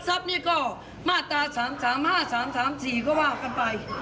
นี่ก็มาตรา๓๓๕๓๓๔ก็ว่ากันไป